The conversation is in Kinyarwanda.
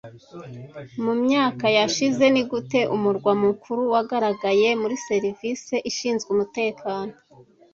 Mu myaka yashize, nigute umurwa mukuru wagaragaye muri serivisi ishinzwe umutekano